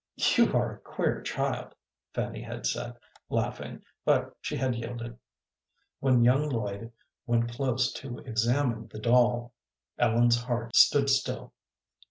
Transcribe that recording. "You are a queer child," Fanny had said, laughing, but she had yielded. When young Lloyd went close to examine the doll, Ellen's heart stood still.